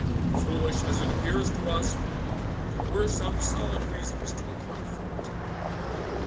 Foolish as it appears to us, there were some solid reasons to account for it.